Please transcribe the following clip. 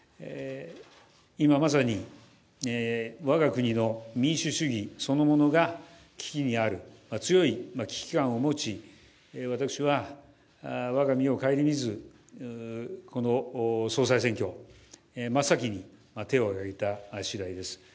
今、まさに我が国の民主主義そのものが危機にある強い危機感を持ち、私は我が身を省みずこの総裁選挙、真っ先に手を挙げた次第です。